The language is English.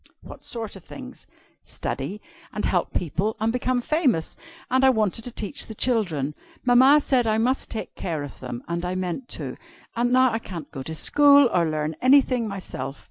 "What sort of things?" "Study, and help people, and become famous. And I wanted to teach the children. Mamma said I must take care of them, and I meant to. And now I can't go to school or learn anything myself.